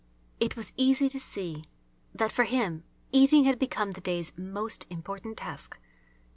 It was easy to see that for him eating had become the day's most important task.